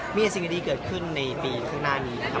มีแต่สิ่งดีเกิดขึ้นในปีข้างหน้านี้ครับ